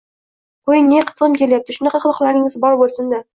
Qo`ying-e, qitig`im kelyapti, shunaqa qiliqlaringizam bor bo`lsin-da